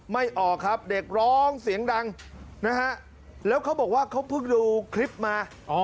ไม่ออกครับเด็กร้องเสียงดังนะฮะแล้วเขาบอกว่าเขาเพิ่งดูคลิปมา